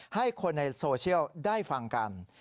ให้คนในโซเชียลได้ฟังกัน